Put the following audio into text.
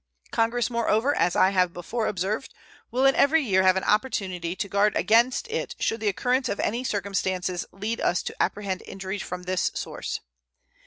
Congress, moreover, as I have before observed, will in every year have an opportunity to guard against it should the occurrence of any circumstances lead us to apprehend injury from this source.